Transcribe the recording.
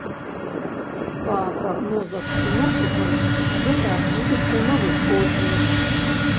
Па прагнозах сіноптыкаў, гэта адбудзецца на выходных.